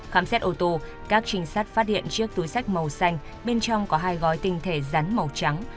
khám xét ô tô các trinh sát phát hiện chiếc túi sách màu xanh bên trong có hai gói tinh thể rắn màu trắng